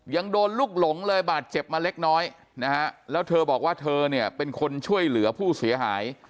ยังโดนลูกหลงเลยบาดเจ็บมาเล็กน้อยนะฮะแล้วเธอบอกว่าเธอเนี่ยเป็นคนช่วยเหลือผู้เสียหาย